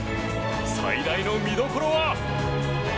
最大の見どころは。